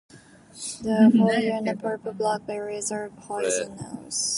The foliage and purple-black berries are poisonous.